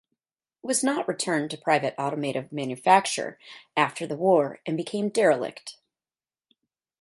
It was not returned to private automotive manufacture after the war and became derelict.